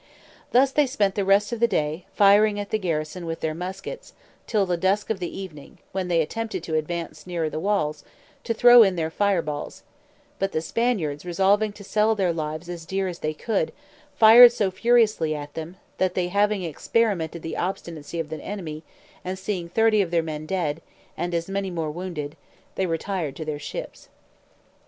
Thus they spent the rest of the day, firing at the garrison with their muskets, till the dusk of the evening, when they attempted to advance nearer the walls, to throw in their fire balls: but the Spaniards resolving to sell their lives as dear as they could, fired so furiously at them, that they having experimented the obstinacy of the enemy, and seeing thirty of their men dead, and as many more wounded, they retired to their ships.